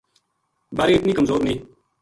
بارے اتنی کمزور نیہہ